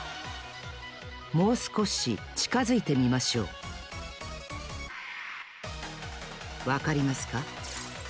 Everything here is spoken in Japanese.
もうすこしちかづいてみましょうわかりますか？